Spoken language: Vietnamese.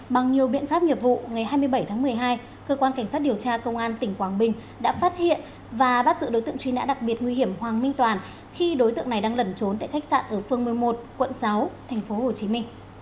bằng nhiều biện pháp nghiệp vụ ngày hai mươi bảy tháng một mươi hai cơ quan cảnh sát điều tra công an tỉnh quảng bình đã phát hiện và bắt giữ đối tượng truy nã đặc biệt nguy hiểm hoàng minh toàn khi đối tượng này đang lẩn trốn tại khách sạn ở phương một mươi một quận sáu tp hcm